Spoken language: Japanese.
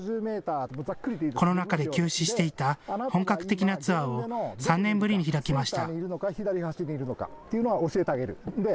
コロナ禍で休止していた本格的なツアーを３年ぶりに開きました。